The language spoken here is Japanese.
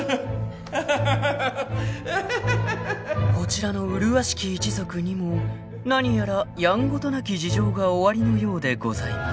［こちらの麗しき一族にも何やらやんごとなき事情がおありのようでございます］